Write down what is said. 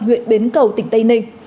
huyện bến cầu tỉnh tây ninh